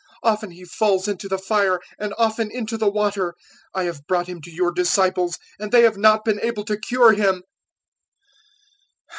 Often he falls into the fire and often into the water. 017:016 I have brought him to your disciples, and they have not been able to cure him."